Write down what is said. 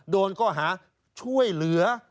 โดนข้อหาช่วยเหลือ